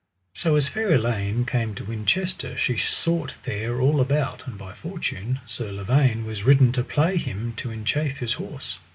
So as fair Elaine came to Winchester she sought there all about, and by fortune Sir Lavaine was ridden to play him, to enchafe his horse.